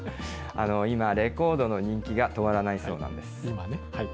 今、レコードの人気が止まらないそうなんです。